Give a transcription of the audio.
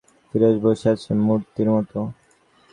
ফিরোজ বসে আছে মূর্তির মতো।